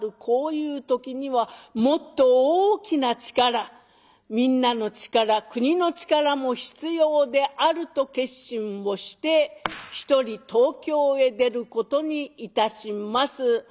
こういう時にはもっと大きな力みんなの力国の力も必要である」と決心をして一人東京へ出ることにいたします。